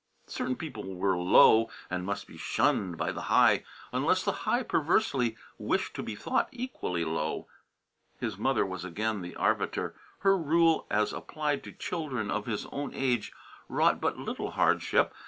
Certain people were "low" and must be shunned by the high, unless the high perversely wished to be thought equally low. His mother was again the arbiter. Her rule as applied to children of his own age wrought but little hardship.